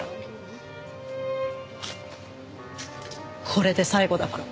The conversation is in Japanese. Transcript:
これで最後だから。